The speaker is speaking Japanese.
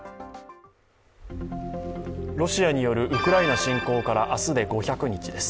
ロシアによるウクライナ侵攻から明日で５００日です。